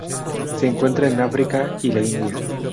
Se encuentra en África y la India.